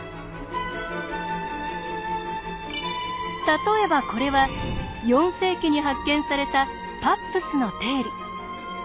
例えばこれは４世紀に発見された「パップスの定理」。